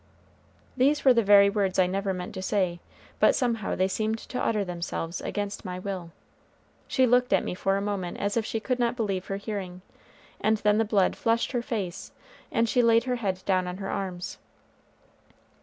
These were the very words I never meant to say, but somehow they seemed to utter themselves against my will. She looked at me for a moment as if she could not believe her hearing, and then the blood flushed her face, and she laid her head down on her arms.